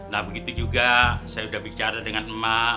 nah begitu juga saya sudah bicara dengan emak